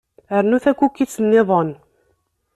Rnu takukit niḍen.